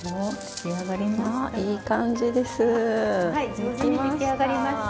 上手に出来上がりました。